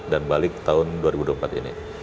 balik tahun dua ribu dua puluh empat ini